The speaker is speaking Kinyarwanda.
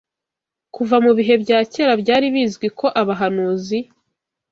Kuva mu bihe bya kera, byari bizwi ko abahanuzi